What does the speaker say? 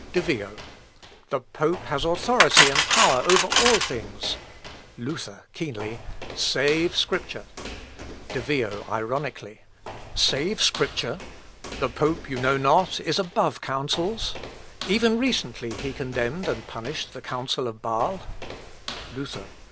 De Vio. "The pope has authority and power over all things." Luther, (keenly.) "Save Scripture." "Salva Scriptura." De Vio, (ironically.) "Save Scripture!... The pope, know you not, is above Councils? Even recently he condemned and punished the Council of Bâsle." _Luther.